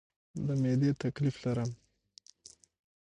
د معدې تکلیف لرم